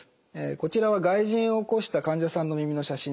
こちらは外耳炎を起こした患者さんの耳の写真です。